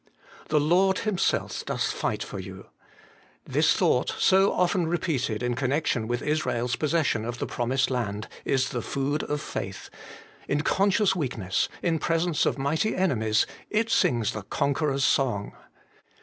' The Lord Himself doth fight for you ;' this thought, so often repeated in connection with Israel's possession of the promised land, is the food of faith : in conscious weakness, in presence of mighty enemies, it sings the conqueror's song.